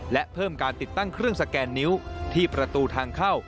และเพิ่มการติดตั้งเครื่องสแกนนิ้วที่ประตูทางเข้า